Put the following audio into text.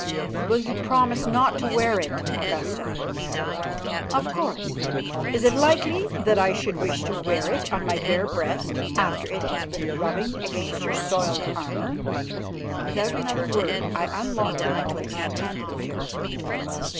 "Will you promise not to wear it, Augusta?" "Of course. Is it likely that I should wish to wear it on my bare breast after it has been rubbing against your soiled armour?" Without another word I unhooked the necklace and handed it to her.